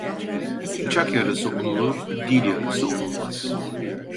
Bıçak yarası onulur, dil yarası onulmaz.